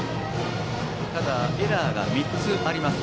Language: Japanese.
ただ、エラーが３つあります